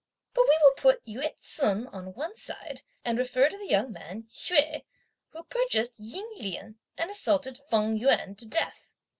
But we will put Yü ts'un on one side, and refer to the young man Hsüeh, who purchased Ying Lien, and assaulted Feng Yuan to death.